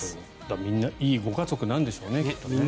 みんないいご家族なんでしょうねきっとね。